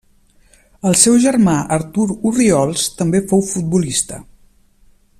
El seu germà Artur Orriols també fou futbolista.